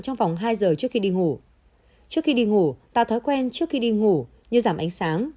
trong vòng hai giờ trước khi đi ngủ trước khi đi ngủ tạo thói quen trước khi đi ngủ như giảm ánh sáng